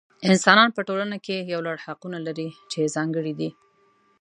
انسانان په ټولنه کې یو لړ حقونه لري چې ځانګړي دي.